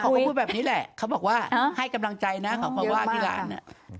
เขาก็พูดแบบนี้แหละเขาบอกว่าให้กำลังใจนะเขามาว่าที่ร้าน